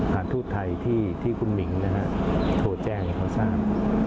ทูตไทยที่คุณหมิงโทรแจ้งให้เขาทราบ